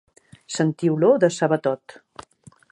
Sentir olor de sabatot.